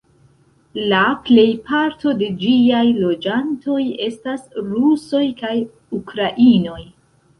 La plejparto de ĝiaj loĝantoj estas rusoj kaj ukrainoj.